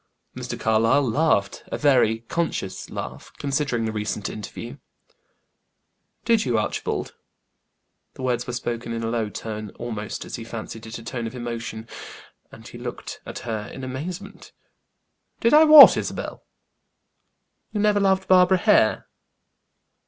Mr. Carlyle laughed; a very conscious laugh, considering the recent interview. "Did you, Archibald?" The words were spoken in a low tone, almost, or he fancied it, a tone of emotion, and he looked at her in amazement. "Did I what, Isabel?" "You never loved Barbara Hare?"